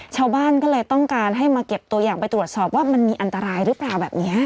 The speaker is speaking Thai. ชาวบ้านก็เลยต้องการให้มาเก็บตัวอย่างไปตรวจสอบว่ามันมีอันตรายหรือเปล่าแบบนี้